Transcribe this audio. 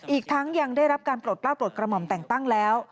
อีกทั้งยังได้รับการปลดกล้าปลดกระหม่อมแต่งตั้งแล้ว